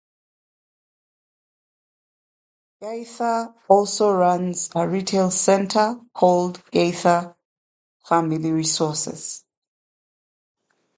Gaither also runs a retail center called Gaither Family Resources.